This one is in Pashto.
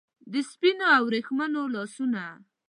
د سپینو او وریښمینو لاسونو